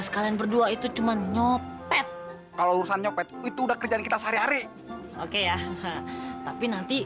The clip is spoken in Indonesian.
sampai jumpa di video selanjutnya